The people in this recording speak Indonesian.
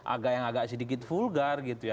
agak yang agak sedikit vulgar gitu ya